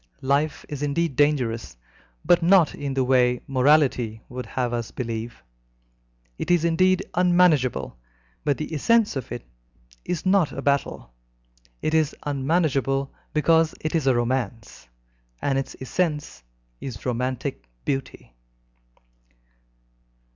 Life is indeed dangerous, but not in the way morality would have us believe. It is indeed unmanageable, but the essence of it is not a battle. It is unmanageable because it is a romance, and its essence is romantic beauty.